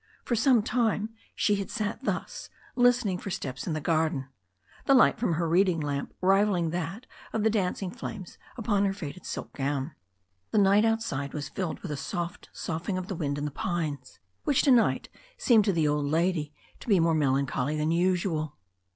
For some time she had sat thus, listening for steps in the garden, the light from her reading lamp rivalling that of the dancing flames upon her faded silk gown. The night outside was filled with the soft soughing of the wind in the pines, which to night seemed to the old lady to be more melancholy than usual.